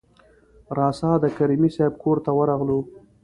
راسآ د کریمي صیب کورته ورغلو.